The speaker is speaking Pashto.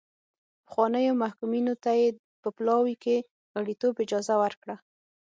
پخوانیو محکومینو ته یې په پلاوي کې غړیتوب اجازه ورکړه.